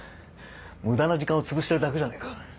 無駄な時間をつぶしてるだけじゃないか。